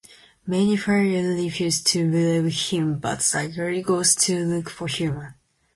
Many fairies refuse to believe him but Crysta goes to look for humans.